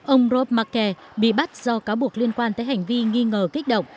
ông rob marke bị bắt do cáo buộc liên quan tới hành vi nghi ngờ kích động